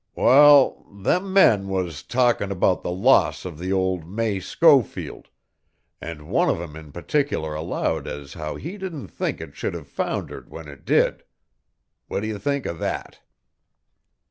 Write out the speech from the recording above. "Wal, them men was talkin' about the loss of the old May Schofield, and one of 'em in particular allowed as how he didn't think it should have foundered when it did. What d'ye think of that?"